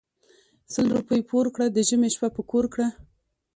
سل روپی پور کړه د ژمي شپه په کور کړه .